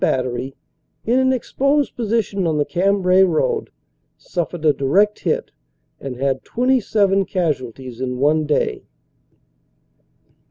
Battery, in an exposed position on the Cambrai road, suffered a direct hit and had 27 casualties in one day.